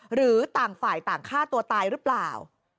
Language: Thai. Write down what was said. หรือต่างฝ่ายต่างฆ่าตัวตายหรือเปล่า